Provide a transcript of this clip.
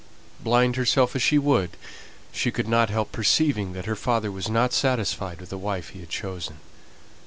Blind herself as she would, she could not help perceiving that her father was not satisfied with the wife he had chosen.